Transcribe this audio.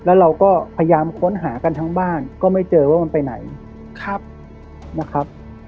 แล้วเราก็พยายามค้นหากันทั้งบ้านก็ไม่เจอว่ามันไปไหนนะครับ